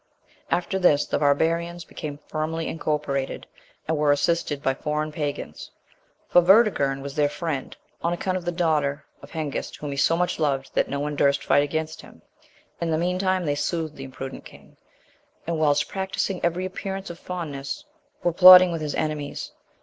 After this the barbarians became firmly incorporated, and were assisted by foreign pagans; for Vortigern was their friend, on account of the daughter* of Hengist, whom he so much loved, that no one durst fight against him in the meantime they soothed the imprudent king, and whilst practising every appearance of fondness, were plotting with his enemies.